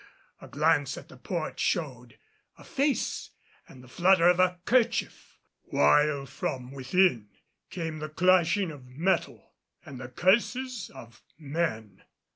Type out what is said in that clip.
A glance at the port showed a face and the flutter of a kerchief, while from within came the clashing of metal and the curses of men.